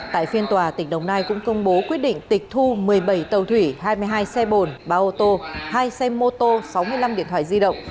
tại phiên tòa tỉnh đồng nai cũng công bố quyết định tịch thu một mươi bảy tàu thủy hai mươi hai xe bồn ba ô tô hai xe mô tô sáu mươi năm điện thoại di động